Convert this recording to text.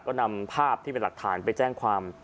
ก็นำภาพที่เป็นหลักฐานไปแจ้งความ